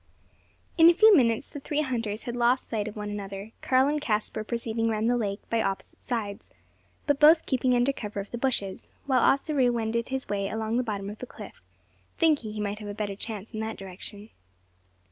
In a few minutes the three hunters had lost sight of one another, Karl and Caspar proceeding round the lake by opposite sides, but both keeping under cover of the bushes; while Ossaroo wended his way along the bottom of the cliff thinking he might have a better chance in that direction.